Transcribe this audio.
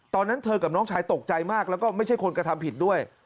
ตอนนั้นเธอกับน้องชายตกใจมากแล้วก็ไม่ใช่คนกระทำผิดด้วย